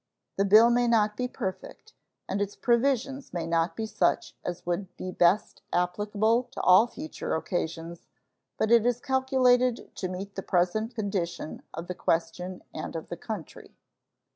The bill may not be perfect, and its provisions may not be such as would be best applicable to all future occasions, but it is calculated to meet the present condition of the question and of the country.